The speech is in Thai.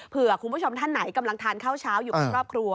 คุณผู้ชมท่านไหนกำลังทานข้าวเช้าอยู่กับครอบครัว